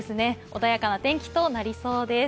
穏やかな天気となりそうです。